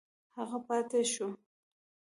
هغه پاته شو.